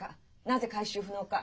「なぜ回収不能か」